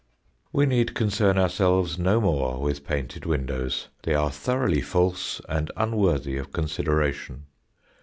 We need concern ourselves no more with painted windows; they are thoroughly false and unworthy of consideration.